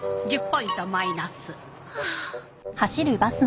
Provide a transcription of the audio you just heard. １０ポイントマイナス。